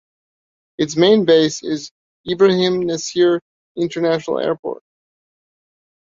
Its main base is Ibrahim Nasir International Airport.